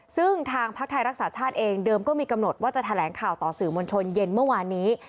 ซึ่งทางพักไทยรักษาชาติเองเดิมก็มีกำหนดว่าจะแถลงข่าวต่อสื่อมวลชนเย็นเมื่อวานนี้